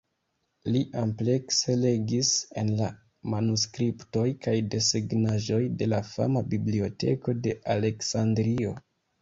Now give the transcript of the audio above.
Li amplekse legis en la manuskriptoj kaj desegnaĵoj de la fama Biblioteko de Aleksandrio.